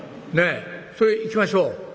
ねっそれ行きましょう」。